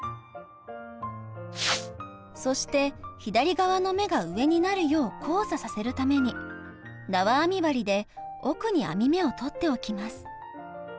そして左側の目が上になるよう交差させるためになわ編み針で奥に編み目を取っておきます。